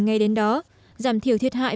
ngay đến đó giảm thiểu thiệt hại